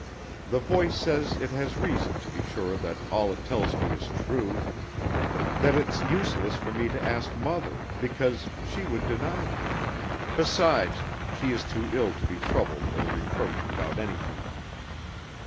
The voice says it has reason to be sure that all it tells me is true; that it's useless for me to ask mother, because she would deny it; besides, she is too ill to be troubled or reproached about anything.